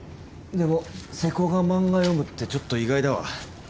でも瀬古が漫画読むってちょっと意外だわ。